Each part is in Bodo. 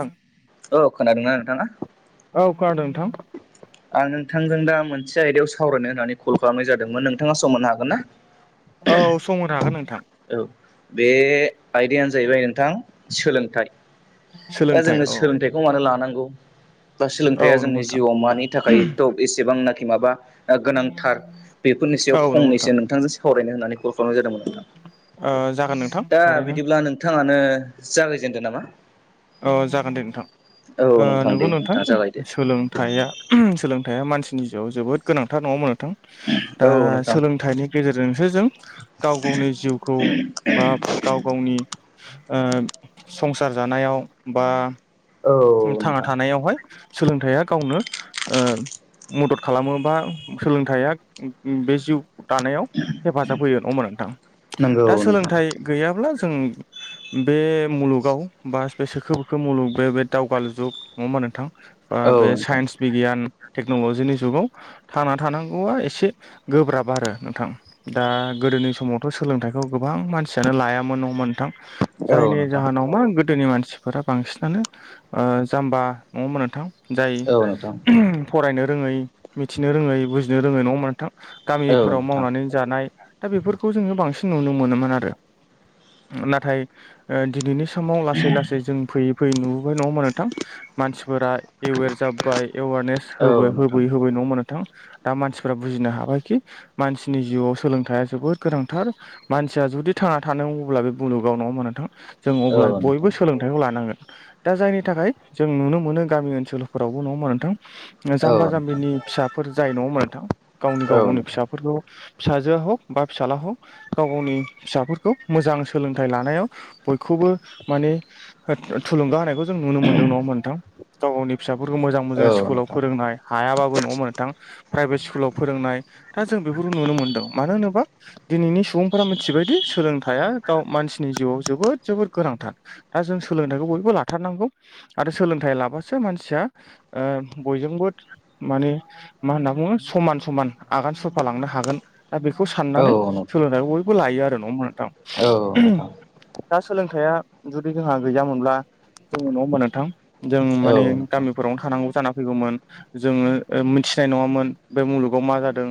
नोंथां औ खोनादोंना नोंथाङा? औ खोनादों नोंथां। आं नोंथांजों दा मोनसे आयदायाव सावरायनो होननानै कल खालामनाय जादोंमोन। नोंथाङा सम मोननो हागोन ना? औ सम होनो हागोन नोंथां। औ बे आयदायानो जाहैबाय नोंथां सोलोंथाइ दा सोलोंथाइ जोङो औ सोलोंथाइखौ मानो लानांगौ बा औ सोलोंथाइया नंगौ जोंनि नोंथां जिआव मानि थाखाय त एसेबांनाखि माबा दा गोनांथार बेफोरनि औ सायाव नंगौ नोंथां फंनैसो नोंथांजों सावरायनो होननानै कल खालामनाय जादोंमोन नोंथां ओ जागोन नोंथां दा थारैनो बिदिब्ला नोंथाङानो जागायजेनदो नामा ओ जागोन दे नोंथां औ ओ दे नोंगौ नोंथां नोंथाङा जागायदो सोलोंथाइया सोलोंथाइया मानसिनि जिउआव जोबोद गोनांथार नङा होमबा नोथां दा औ नोंथां सोलोंथाइनि गेजेरजोंसो जों गाव गावनि जिउखौ बा गाव गावनि ओ संसार जानायाव बा औ थांना नोंथां थानायावहाय सोलोंथाइया गावनो ओ मदद खालामो बा सोलोंथाइया बे जिउ दानायाव हेफाजाब होयो नङा होमबा नोंथां नंगौ दा नोंथां सोलोंथाइ गैयाब्ला जों बे मुलुगाव बा बे सोखो बोखो मुलुग बेबा दावगालु जुग नङा होमबा नोंथां बा औ बे नोंथां साइन्स बिगियान टेक्न'ल'जिनि जुगाव। थांना थानांगौआ एसे गोब्राब आरो नोंथां। दा गोदोनि समावथ' सोलोंथाइखौ गोबां मानसियानो लायामोन नङा होमबा नोंथां। औ जायनि नोंथां जाहोनाव मा गोदोनि मानसिफोरा बांसिनानो जाम्बा नङामोन नोंथां। जाय औ नोंथां फरायनो रोङै मिथिनो रोङै बुजिनो रोङै नङा ओमबा नोंथां औ गामिफोराव नोंथां मावनानै जानाय दा बेफोरखौ जोङो बांसिन नुनो मोनोमोन आरो नाथाय ओ दिनैनि समाव लासै लासै जों फैयै फैयै नुबोबाय नङा नोंथां मानसिफोरा एवेर जाब्बाय एवारनेस औ होबोयै नोंथां होबोयै नङा ओमबा नोंथां। दा मानसिफोरा बुजिनो हाबायखि मानसिनि जिउआव सोलोंथाइआ जोबोद गोनांथार मानसिया जुदि थांना थानांगौब्ला बे मुलुगाव नङा होमबा नोंथां। जों औ अब्ला नोंथां बयबो सोलोंथाइखौ लानांगोन। दा जायनि थाखाय जों नुनो मोनो गामि ओनसोलफोरावबो नङा ओमबा नोंथां औ जाम्बा नोंथां जाम्बिनि फिसा फोर जाय नङा मोन नोंथां गावनि औ गाव गावनि नोंथां फिसाफोरखौ। फिसाजोआ हक बा फिसााज्ला हक गाव गावनि फिसाफोरखौ मोजां सोलोंथाइ लानायाव। बयखौबो माने थुलुंगा होनाय। बेखौ जों नुनो मोन्दों नङा ओमबा नोंथां गाव गावनि फिसाफोरखौ मोजां मोजां औ स्कुलाव नोंथां औ फोरोंनाय। हायाबाबो नङा ओमबा नोंथां प्राइभेट स्कुलाव फोरोंनाय दा जों बेफोरखौ नुनो मोनदों मानो होनोबा। दिनैनि सुबुंफोरा मिथिबायदि सोलोंथायया गाव मानसिनि जिउआव जोबोद जोबोद गोनांथार दा जों सोलोंथाइखौ बयबो ला थारनांगौ आरो सोलोंथाइ लाबासो मानसिया बयजोंबो। माने मा होनना बुङो समान समान आगान सुरफालांनो हागोन। दा बेखौ नोंथां औ साननानै नोंथां सोलोंथायखौ बयबो लायो आरो न'ङा होमबा नोंथां। औ दा सोलोंथाइया जुदि जोंहा गैयामोनब्ला जोङो नङा होनबा नोंथां। जों नोंथां औ माने नोंथां गामिफोरावनो थानांगौ जाना फैगौमोन जोङो ओ मिनथिनाय नङामोन बे मुलुगाव मा जादों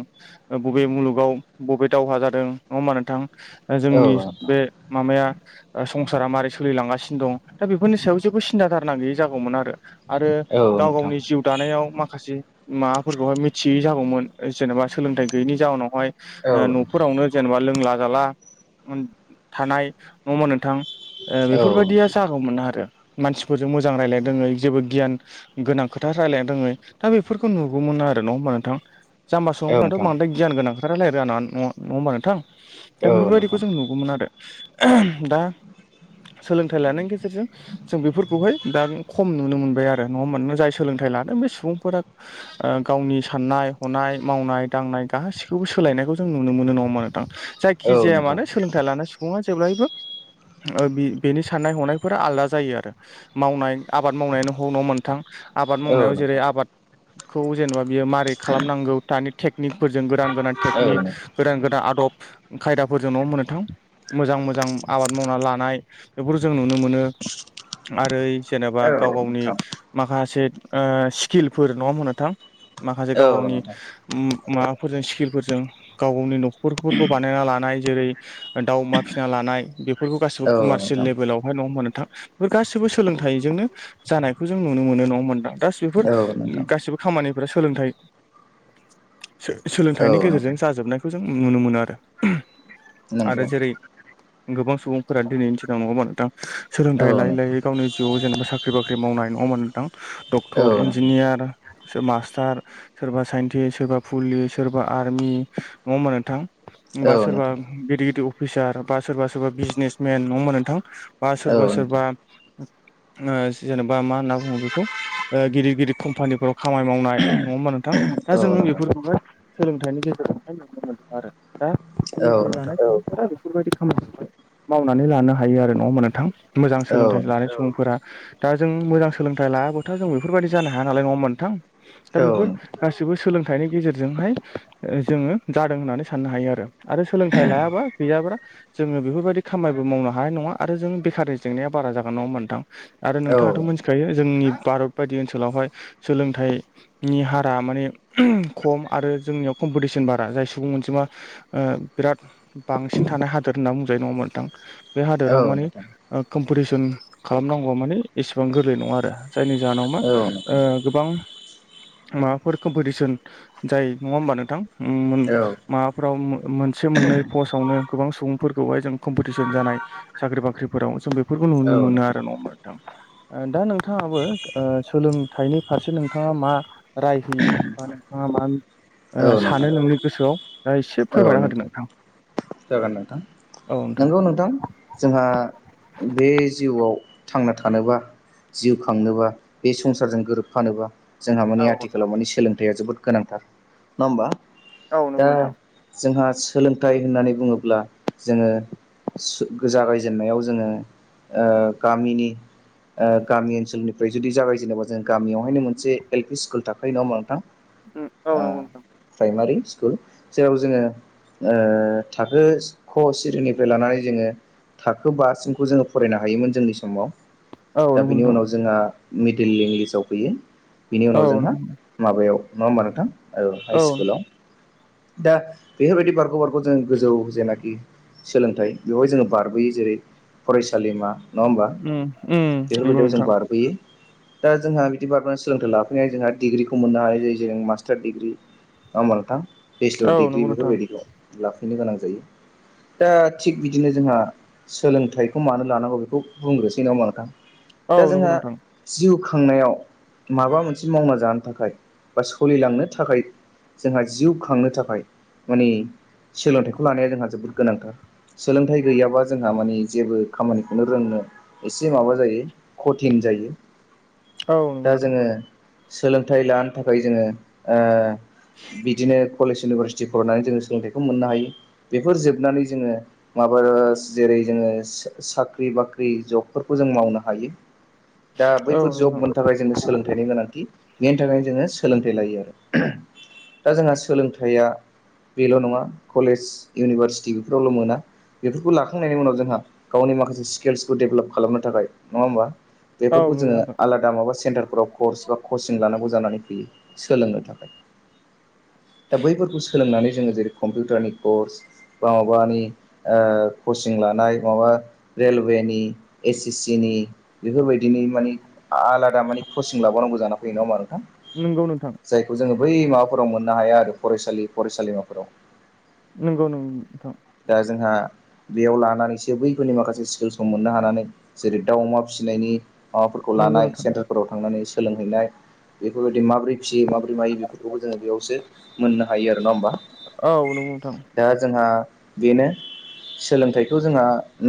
ओ बबे मुलुगाव बबे दावहा जादों नङा होमबा नोंथां। ओ औ नोंथां औ जोंनि बे माबाया ओ संसारा मारै सोलिलांगासिनो दं दा बेफोरनि सायाव जेबो सिन्था दारना गैयि जागौमोन आरो गाव नोंथां औ नोंथां गावनि जिउ दानायाव माखासे माबाफोरखौहाय मिथियै जागौमोन जेनेबा सोलोंथाइ गैयैनि जाउनावहाय। औ नोंथां औ ओ नोंथां न'फोरावनो जेनेबा लोंला जाला। उनद थानाय नङा ओमबा नोंथां बेफोरबायदिया जागौ मोन आरो मानसिफोरजों मोजां रायज्लायनो रोङै जेबो गियान। गोनां खोथा रायजलायनो रोङै दा बेफोरखौ नुगौमोन आरो नङा ओमबा नोंथां जाम्बा सुबुंफ्राथ' बांद्राय गियान गोनां खोथा रालायनो रोङा नाङ नङा होमबा नोंथां दा औ नोंथां औ बेफोरबायदिखौ जों नुगौमोन आरो दा सोलोंथाइ लानायनि गेजेरजों जों बेफोरखौहाय दानि खम नुनो मोनबाय आरो नङा मानोना जाय सोलोंथाइ लादों बे सुबुंफोरा। ओ गावनि साननाय हनाय मावनाय दांनाय गासिखौबो सोलायनायखौ जों नुनो मोनो नङा होनबा नोंथां जाय। नोंथां औ नोंथां औ खि जाया नोंथां मानो सोलोंथाइ लानाय सुबुङा जेब्लायबो। ओ बि बेनि साननाय हनायफोरा आलदा जायो आरो। मावनाय आबाद मावनायनायनि ह न' मोनथां आबाद औ मावनायाव जेरै नोंथां आबाद। खौ जेनेबा बियो मारै खालामनांगौ दानि टेकनिकफोरजों गोदान गोदान औ टेकनिक। गोदान -गोदान आदब। खायदाफोरजों नङा होनबा नोंथां मोजां मोजां आबाद मावना लानाय बेफोरखौ जों नुनो मोनो। आरो जेनेबा गाव गावनि माखासे ओ स्किलफोर नङा होनबा नोंथां। माखासे गाव गावनि। माबाफोरजों स्किलफोरजों गाव गावनि न'खरफोरखौ बानायना लानाय। जेरै- दाउ अमा फिना लानाय बेफोरखौ गासिबो कमारसियेल लेभेलावहाय नङा होनबा नोथां। बेफोर गासिबो सोलोंथाइजोंनो। जानायखौ जों नुनो मोनो नङा होनबा नोंथां दास बेफोर नोंथां गासिबो खामानिफोरा सोलोंथाइ। सो औ सोलोंथाइनि नोंथां गेजेरजों जाजोबनायखौ जों नुनो मोनो आरो। आरो नंगौ जेरै गोबां सुबुंफोरा दिनैनि दिनाव नङाबा नोंथां। सोलों औ थाय लायै नोंथां -लायै गावनि जिउआव जेनेबा साख्रि बाख्रि मावनाय नङा होनबा नोंथां। औ डक्टर इन्जिनियार। सोर मास्टार सोरबा साइन्टिस्ट सोरबा पुलिस सोरबा आर्मि नङा होनबा नोंथां। नोंथां बा औ सोरबा नोंथां गिदिर -गिदिर अफिसार बा सोरबा -सोरबा बिजनेसमेन नङा होनबा नोंथां। बा औ सोरबा नोंथां औ -सोरबा ओ जेनेबा मा होनना बुङो बेखौ। ओ गिदिर -गिदिर कम्पानिफोराव खामानि मावनाय। नङा होमबा नोंथां। दा औ जोङो नोंथां औ बेफोरखौहाय सोलोंथाइनि गेजेरावहाय नुनो मोनदों आरो। दा औ सोलोंथाइ नोंथां लानाय सुबुंफोरा बेफोरबायदि खामानिखौहाय। मावनानै लानो हायो आरो नङा होनबा नोंथां। मोजां औ सोलोंथाइ लानाय सुबुंफोरा। दा जों मोजां सोलोंथाइ लायाबाथ' जों बेफोरबायदि जानो हाया नालाय नङा होनबा नोंथां। दा बेफोर गासिबो सोलोंथाइनि गेजेरजोंहाय। ओ जोङो जादों होननानै साननो हायो आरो। आरो सोलोंथाइ लायाबा गैयाब्रा। जोङो बेफोरबायदि खामानिबो मावनो हानाय नङा। आरो जों बेखारनि जेंनाया बारा जागोन नङा होनबा नोंथां। आरो नोंथाङाथ' नोंथां मोनथिखायो जोंनि भारत बायदि ओनसोलावहाय सोलोंथाइ। नि हारा माने खम आरो जोंनियाव कम्पिटिसन बारा। जाय सुबुं अनजिमा ओ बिराद बांसिन थानाय हादोर होनना बुंजायो। नङा होनबा नोंथां। बे हादोराव मानि ओ कम्पिटिसन खालामनांगौआ माने एसेबां गोरलै नङा आरो। जायनि जाहोनाव मा औ ओ गोबां माबाफोर कम्पिटिसन। जायो नङा होमबा नोंथां। उम नोंथां औ माबाफ्राव मोनसे मोननै पस्टआवनो गोबां सुबुंफोरखौहाय जों कम्पिटिसन जानाय। साख्रि बाख्रिफोराव जों बेफोरखौ औ नुनो मोनो नोंथां आरो नङा होनबा नोंथां। ओ दा नोंथाङाबो ओ सोलोंथाइनि फारसे नोंथाङा मा। राय होयो बा नोंथाङा मा ओ औ नोंथां सानो नोंनि गोसोआव। दा एसे औ फोरमायना होदो नोंथां जागोन नोंथां नंगौ नोंथां। जोंहा बे जिउआव थांना थानोबा। जिउ खांनोबा बे संसारजों गोरोबफानोबा। जोंहा माने औ आथिखालाव मानि सोलोंथाइया जोबोद गोनांथार नङा होमबा। औ दा नंगौ नोंथां जोंहा सोलोंथाइ होननानै बुङोब्ला जोङो। सोगो जागायजेननायाव जोङो ओ गामिनि। ओ गामि ओनसोलनिफ्राय जुदि जागाय जेनेबा जों गामियावहायनो मोनसे एल पि स्कुल थाखायो नङा होनबा नोंथां। ओम औ। ओ नंगौ नोंथां। प्राइमारि स्कुल जेराव जोङो थाखो ख सिरिनिफ्राय लानानै जोङो। थाखो बासिमखौ जोङो फरायनो हायोमोन जोंनि समाव। औ दा नंगौ बिनि नोंथां उनाव जोंहा मिडिल लिंलिसाव फैयो। बिनि औ उनाव उम जोंहा माबायाव नङा होनबा नोंथां हाइ स्कुलाव दा बेफोबायदि बारग' बारग' जों गोजौ जेनाखि सोलोंथाइ बेवहाय जोङो बारबोयो जेरै फरायसालिमा नङा होमबा उम बेफोर नंगौ बायदिआव जों नोंथां बारबोयो। दा जोंहा बिदि बारबोना सोलोंथाइ लाफैना जोंहा डिग्रिखौ मोननो हानाय जायो जेरै जों मास्टार डिग्रि नङा होमबा नोंथां औ बेस'लर डिग्रि नंगौ नोंथां। बेफोरबायदिखौ लाफैनो गोनां जायो। दा थिग बिदिनो जोंहा। सोलोंथाइखौ मानो लानांगौ बेखौ बुंग्रोनोसै नङा होनबा नोंथां। औ दा नंगौ जोंहा नोंथां जिउ खांनायाव माबा मोनसे मावना जानो थाखाय बा सोलिलांनो थाखाय जोंहा जिउ खांनो थाखाय माने सोलोंथाइखौ लानाया जोंहा जोबोद गोनांथार। सोलोंथाइ गैयाबा जोंहा माने जेबो खामानिखौनो रोंनो एसे माबा जायो कथिन जायो। औ नंगौ दा जोङो नोंथां सोलोंथाइ लानो थाखाय जोङो ओ बिदिनो कलेज इउनिभारसिटि फरायनानै जोङो सोलोंथाइखौ मोननो हायो। बेफोर जोबनानै जोङो माबा जेरै जोङो साख्रि बाख्रि जबफोरखौ जों मावनो हायो। दा औ बैफोर नंगौ जब मोननो नोंथां थाखाय जोंनो सो लोंथाइनि गोनांथि। बेनि थाखायनो जोङो सोलोंथाइ लायो आरो। दा जोंहा सोलोंथाइया बेल' नङा कलेज इउनिभारसिटि बेफोरावल' मोना। बेफोरखौ लाखांनायनि उनाव जोंहा गावनि माखासे स्किल्सखौ डेभेलप खालामनो थाखाय नङा होमबा? औ बेफोरखौ जोङो आलादा माबा सेन्टारफोराव कर्स बा कचिं लानांगौ जानानै फैयो सोलोंनो थाखाय। दा बैफोरखौ सोलोंनानै जोङो जेरै कम्पिउटारनि कर्स बा माबानि कचिं लानाय माबा रेलवे नि, एस एस सिनि बेफोरबायदिनो माने आलादा मानिे कचिं लाबावोनांगौ जाना फैयो नङा होमबा नोंथां? नोंगौ नोंथां। जायखौ जोङो बै माबाफोराव मोननो हाया आरो फरायसालि फरायसालिमाफोराव। नंगौ नों नोंथां। दा जोंहा बेयाव लानानैसो बैफोरनि माखासे स्किलसखौ मोननो हानानै जेरै दाउ अमा फिसिनायनि माबाफोरखौ नंगौ लानाय नोंथां सेन्टार फोराव थांनानै सोलोंहैनाय बेफोरबायदि माबोरै फियो माबोरै मायो बेफोरखौबो जोङो बेयावसो मोननो हायो आरो नङा होमबा। औ नंगौ नोंथां दा जोंहा बेनो सोलोंथाइखौ जोंहा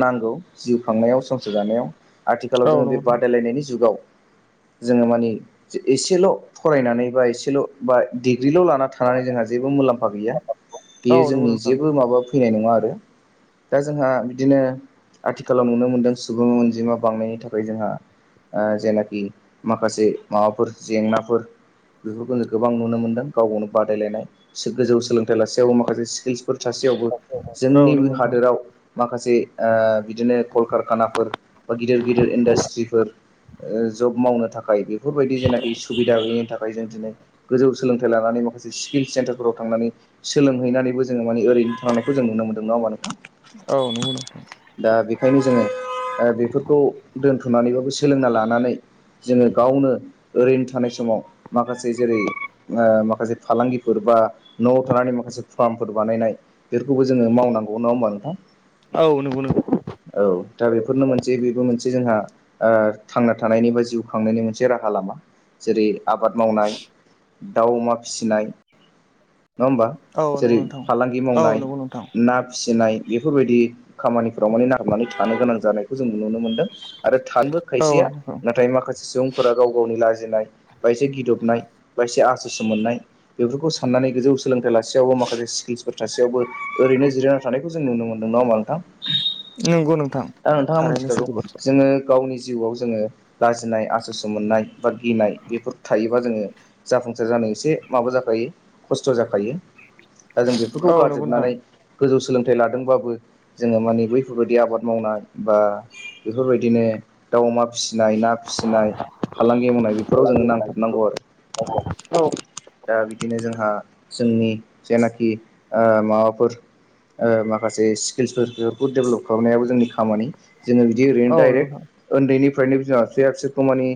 नांगौ जिउ खांनायाव संसार जानायाव आथिखालाव औ जोङो बे नंगौ बादायलायनायनि जुगाव जोङो मानि एसेल' फरायनानै बा एसेल' बा डिग्रिल' लाना थानानै नोंथां। जोंहा जेबो मुलाम्फा गैया औ बेयो नंगौ जोंनि नोंथां जेबो माबा फैनाय नङा आरो। दा जोंहा बिदिनो आथिखालाव नुनो मोनदों सुबुं अनजिमा बांनायनि थाखाय जोंहा जेनाखि माखासे माबाफोर जेंनाफोर बेफोरखौ जों गोबां नुनो मोनदों गाव गावनो बादायलायनाय गोजौ सोलोंथाइ लासेयावबो माखासे स्किल्स फोर थासेयावबो औ जोंनि नंगौ नोंथां हादोराव माखासे बिदिनो कलकारखानाफोर बा गिदिर गिदिर इडास्ट्रिफोर ओ जब मावनो थाखाय बेफोरबायदि जेनाखि सुबिदा गैयिनि थाखाय जों दिनै गोजौ सोलोंथाइ लानानै माखासे स्किल सेन्टारफोराव थांनानै सोलोंहैनानैबो जोङो माने ओरैनो थानांनाय खौ जों नुनो मोनदों नङा होमबा नोंथां? औ नंगौ नोंथां। दा बेखायनो जोङो बेफोरखौ दोनथ'नानैबाबो सोलोंना लानानै जोङो गावनो ओरैनो थानाय समाव माखासे जेरै माखासे फालांगिफोर बा न'आव थानानै माखासे फार्मफोर बानायनाय बेफोरखौबो जोङो मावनांगौ नङा होमबा नोंथां? औ नंगौ नंगौ। औ दा बेफोरनो मोनसे बेबो मोनसे जोंहा? थांना थानायनि बा जिउ खांनायनि मोनसे राहा लामा। जेरै आबाद मावनाय दाउ अमा फिसिनाय नंङा होमबा? औ जेरै नंगौ नोंथां। फालांगि औ मावनाय नंगौ नोंथां। ना फिसिनाय बेफोरबायदि खामानिफोराव माने नागारनानै थांनो गोनां जानायखौ जों नुनो मोनदों। आरो थांनोबो औ खायसेया नंगौ नांथाय माखासे सुबुंफोर फोरा गाव गावनि लाजिनाय बायसे गिदबनाय बायसे आसस' मोननाय बेफोरखौ साननानै गोजौ सोलोंथाइ लासेयावबो माखासे स्किल्सफोर थासेयावबो-' ओरैनो जिरायना थानायखौ जों नुनो मोनदों नंङा हा नोंथां। नंगौ नोंथां दा नोंथांङा थारैनो मिथिखागौ सैथो बाथ्रा जोंङो गावनि जिउआव जोंङो लाजिनाय आसस' मोननाय बा गिनाय बेफोर थायो। बा जोंङो जाफुंसार जानाय एसे माबा जाखायो खस्थ' जाखायो। दा जों बेफोरखौ औ नंगौ नोंथां। गारजोबनानै गोजौ सोलोंथाइ लादोंबाबो जोंङो मानि बैफोरबायदि आबाद मावनाय बा बेफोरबायदिनो दाउ अमा फिसिनाय ना फिसिनाय फालांगि मावनाय बेफोराव फालांगि जोंङो मावनाय। नांथाबनांगौ आरो। औ दा बिदिनो जोंहा जोंनि जेनाखि ओ माबाफोर ओ माखासे स्किल्सफोरखौ डेभेलप खालामनायाबो जोंनि खामानि जोंङो बिदि ओरैनो औ नोंथां डाइरेक्ट उन्दैनिफ्रायनो बिमा बिफाया बिसोरखौ मानि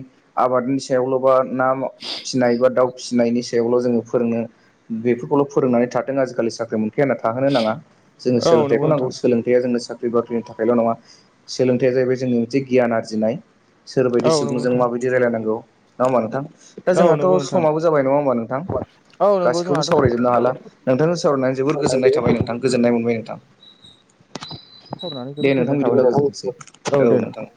आबादनि सायावल' बा ना फिसिनायबा दाउ फिसिनायनि सायावल' जोंङो फोरोंनो बेफोरखौल' फोरोंनानै थादों आजिखालि साख्रि मोन दों होनना थाहोनो नांङा जोंङो औ नंगौ सोलोंथाइखौ नोंथां नांगौ सोलोंथाइया जोंनो साख साख्रि बाख्रिनि थाखायल' नंङा सोलोंथायाइया जाहैबाय जोंनि मोनसे गियान आरजिनाय सोरबायायदि औ नंगौ सुबुंजों नोंथां माबायदि रायजलायनांगौ नंङामा नोंथां दा जोंहाथ' समाबो जाबाय नंङा होनबा नोंथां बा गासैखौबो सावरायजोबनो हाला नोंथांजों सावरायनानै जोबोर गोजोननाय थाबाय नोंथां। गोजोन्नाय मोनबाय नोंथां। सावरायनानै दे जोबोद नोंथां गोजोननाय बिदिब्ला थाबाय गोजोनथोंसै नोंथां औ दे नोंथां।